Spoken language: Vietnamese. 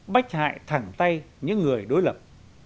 bách hại thẳng tay những người đối lập